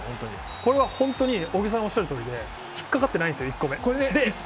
これは本当に小木さんがおっしゃるとおりでひっかかってないんです、１個目。